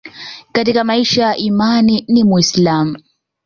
Katika maisha ya imani ni Muislamu